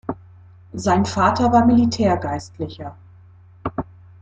Sein Vater war Militärgeistlicher.